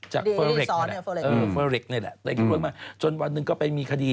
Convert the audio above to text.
จากเฟอร์เร็กซ์นั่นแหละจนวันหนึ่งก็ไปมีคดี